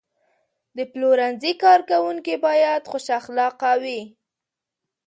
د پلورنځي کارکوونکي باید خوش اخلاقه وي.